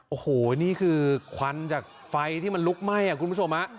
โอ้โหนี่คือควันจากไฟที่มันลุกไหม้คุณผู้ชม